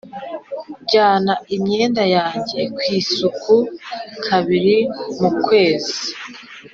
njyana imyenda yanjye ku isuku kabiri mu kwezi.